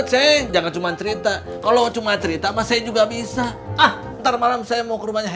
aceh jangan cuma cerita kalau cuma cerita mas saya juga bisa ah ntar malam saya mau ke rumahnya